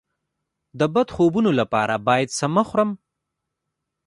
د بد خوبونو لپاره باید څه مه خورم؟